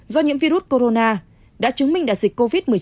do nhiễm virus corona đã chứng minh đại dịch covid một mươi chín